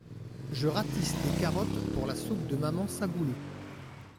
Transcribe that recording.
Je ratisse des carottes pour la soupe de maman Sabouleux.